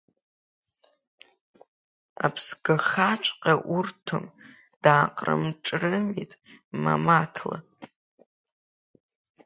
Аԥсгахаҵәҟьа урҭом, дааҟрым-ҿрымит Мамаҭла.